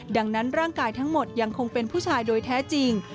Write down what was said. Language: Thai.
ดังนั้นร่างกายทั้งหมดยังคงเป็นผู้ชายโดยแท้จริง